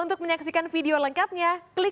untuk menyaksikan video lengkapnya klik link di bawah ini